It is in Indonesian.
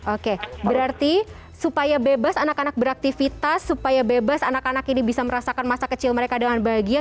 oke berarti supaya bebas anak anak beraktivitas supaya bebas anak anak ini bisa merasakan masa kecil mereka dengan bahagia